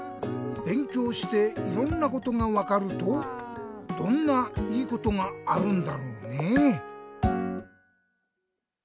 べんきょうしていろんなことがわかるとどんないいことがあるんだろうねぇ？